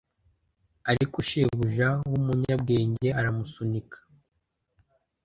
ariko shebuja w'umunyabwenge aramusunika